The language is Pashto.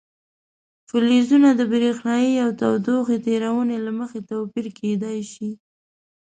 فلزونه د برېښنايي او تودوخې تیرونې له مخې توپیر کیدای شي.